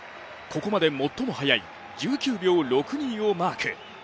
ここまで最も速い１９秒６２をマーク。